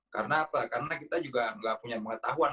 karena apa karena kita juga nggak punya pengetahuan